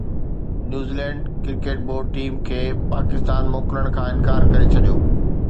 New Zealand cricket board team کي پاڪستان موڪلڻ کان انڪار ڪري ڇڏيو